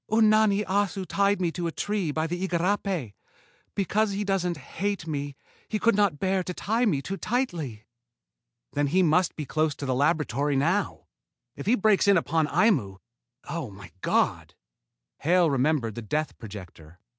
Unani Assu tied me to a tree by the igarapé. Because he doesn't ... hate me, he could not bear to tie me too tightly." "Then he must be close to the laboratory now. If he breaks in upon Aimu oh, my God!" Hale remembered the death projector.